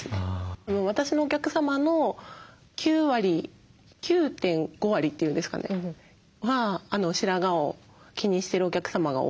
私のお客様の９割９．５割って言うんですかねは白髪を気にしてるお客様が多いです。